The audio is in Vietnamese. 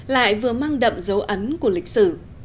lại vừa mang đậm dấu ấn của lịch sử